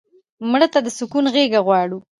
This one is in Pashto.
مړه ته د سکون غېږ غواړو